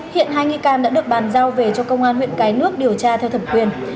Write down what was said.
hiện hai nghi can đã được bàn giao về cho công an huyện cái nước điều tra theo thẩm quyền